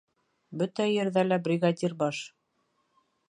Бөтә ерҙә лә бригадир баш.